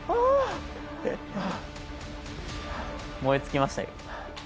燃え尽きましたよ。